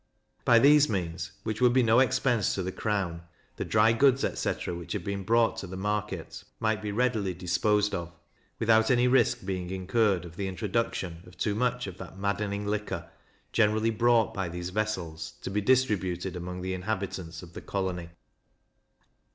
By these means, which would be no expense to the crown, the dry goods, etc. which had been brought to the market, might be readily disposed of, without any risk being incurred of the introduction of too much of that maddening liquor, generally brought by these vessels, to be distributed amongst the inhabitants of the colony.